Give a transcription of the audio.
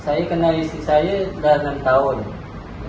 saya kenal istri saya sudah enam tahun